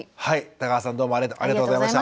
田川さんどうもありがとうございました。